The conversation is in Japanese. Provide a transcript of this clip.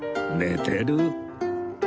寝てる